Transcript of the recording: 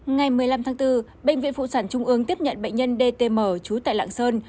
ngày một mươi năm tháng bốn bệnh viện phụ sản trung ương tiếp nhận bệnh nhân dtm chú tại lạng sơn